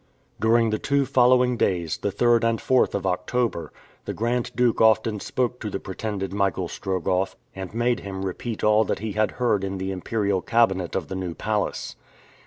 During the two following days, the 3rd and 4th of October, the Grand Duke often spoke to the pretended Michael Strogoff, and made him repeat all that he had heard in the Imperial Cabinet of the New Palace.